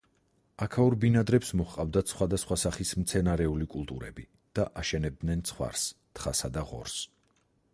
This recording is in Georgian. აქაურ ბინადრებს მოჰყავდათ სხვადასხვა სახის მცენარეული კულტურები და აშენებდნენ ცხვარს, თხასა და ღორს.